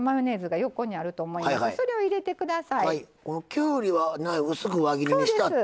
きゅうりは薄く輪切りにしてあって。